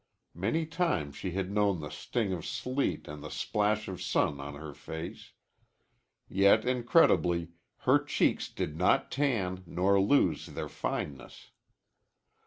Many times she had known the sting of sleet and the splash of sun on her face. Yet incredibly her cheeks did not tan nor lose their fineness.